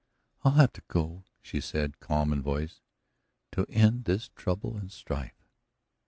"But I'll have to go," she said, calm in voice, "to end this trouble and strife."